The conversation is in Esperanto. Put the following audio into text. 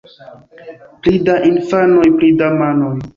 Pli da infanoj, pli da manoj.